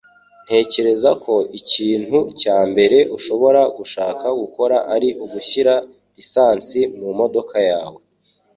Ntekereza ko ikintu cya mbere ushobora gushaka gukora ari ugushyira lisansi mumodoka yawe.